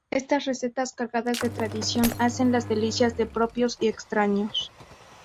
Estas recetas cargadas de tradición hacen las delicias de propios y extraños.